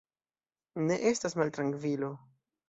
Ne estas maltrankvilo.